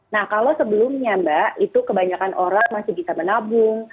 nah kalau sebelumnya mbak itu kebanyakan orang masih bisa menabung